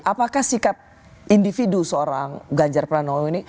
apakah sikap individu seorang ganjar pranowo ini